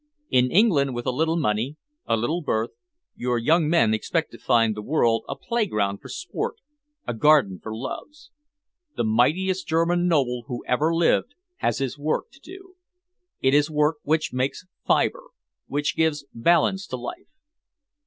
In England, with a little money, a little birth, your young men expect to find the world a playground for sport, a garden for loves. The mightiest German noble who ever lived has his work to do. It is work which makes fibre, which gives balance to life."